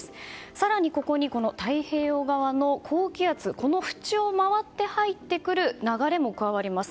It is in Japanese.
更にここに太平洋側の高気圧この縁を回って入ってくる流れも加わります。